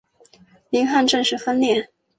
宁汉正式分裂。